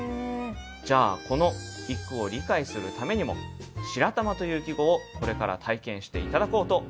じゃあこの一句を理解するためにも「白玉」という季語をこれから体験して頂こうと思います。